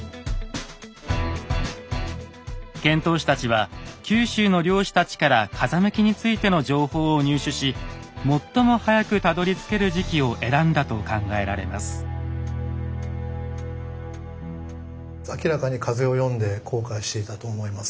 遣唐使たちは九州の漁師たちから風向きについての情報を入手し最も早くたどりつける時期を選んだと考えられます。